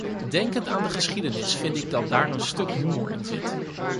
Denkend aan de geschiedenis vind ik dat daar een stuk humor in zit.